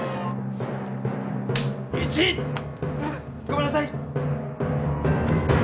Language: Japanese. ごめんなさい！